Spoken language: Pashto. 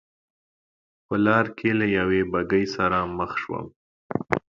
په لار کې له یوې بګۍ سره مخ شوم.